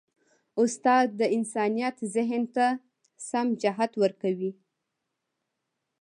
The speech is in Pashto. استاد د انسان ذهن ته سم جهت ورکوي.